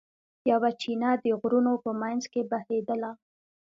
یوه چینه د غرونو په منځ کې بهېدله.